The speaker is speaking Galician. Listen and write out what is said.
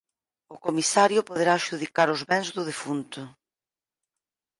O comisario poderá adxudicar os bens do defunto